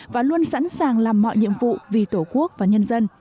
và luôn sẵn sàng làm mọi nhiệm vụ vì tổ quốc và nhân dân